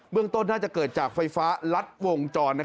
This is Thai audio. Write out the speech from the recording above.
ต้นน่าจะเกิดจากไฟฟ้ารัดวงจร